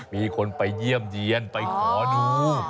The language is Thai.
มีคนไปเยี่ยมเยี่ยนไปขอดู